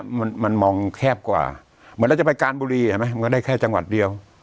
มันมันมองแคบกว่าเหมือนเราจะไปการบุรีเห็นไหมมันก็ได้แค่จังหวัดเดียว